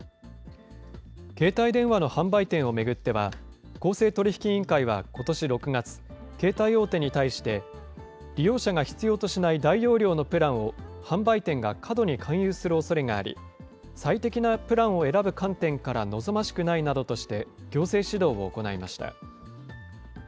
携帯電話の販売店を巡っては、公正取引委員会はことし６月、携帯大手に対して、利用者が必要としない大容量のプランを販売店が過度に勧誘するおそれがあり、最適なプランを選ぶ観点から望ましくないなどとして、行政指導を行いました。